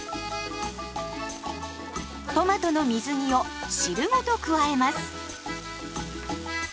トマトの水煮を汁ごと加えます。